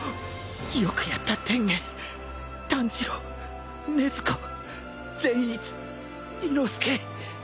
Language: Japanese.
よくやった天元炭治郎禰豆子善逸伊之助！